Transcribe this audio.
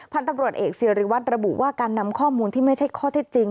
พันธุ์ตำรวจเอกสิริวัตรระบุว่าการนำข้อมูลที่ไม่ใช่ข้อเท็จจริง